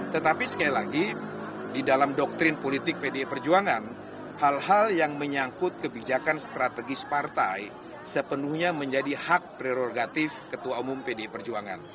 tetapi sekali lagi di dalam doktrin politik pdi perjuangan hal hal yang menyangkut kebijakan strategis partai sepenuhnya menjadi hak prerogatif ketua umum pdi perjuangan